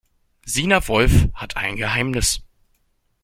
Sina Wolf hat ein Geheimnis.